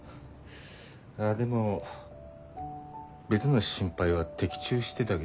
ああでも別の心配は的中してだげどな。